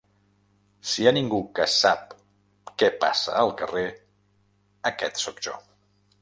«Si hi ha ningú que sap què passa al carrer, aquest sóc jo!».